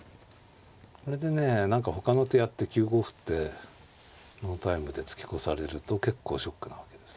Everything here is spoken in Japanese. これでね何かほかの手やって９五歩ってノータイムで突き越されると結構ショックなわけです。